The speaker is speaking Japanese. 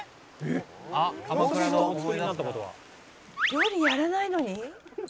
「料理やらないのに？」